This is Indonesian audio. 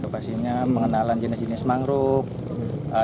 pastinya mengenalan jenis jenis mangrove